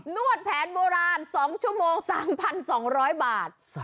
นวดแผนโบราณ๒ชั่วโมง๓๒๐๐บาท